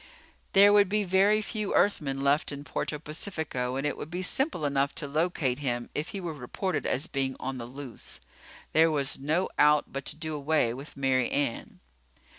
There would be very few Earthmen left in Puerto Pacifico, and it would be simple enough to locate him if he were reported as being on the loose. There was no out but to do away with Mary Ann.